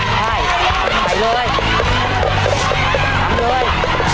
ไปไปเลย